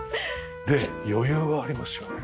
で余裕がありますよね。